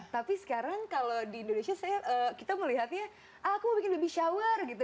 tapi sekarang kalau di indonesia kita melihatnya aku mau bikin baby shower gitu